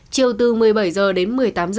chiều từ một mươi bảy h đến một mươi tám h